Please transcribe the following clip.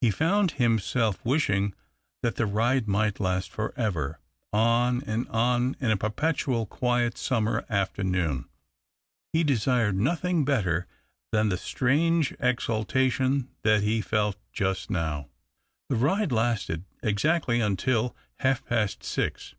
He found himself wishing that the ride might last for ever, on and on in a perpetual quiet summer afternoon. He desired nothing better than the strange exaltation that he felt just now. The ride lasted exactly until half past six.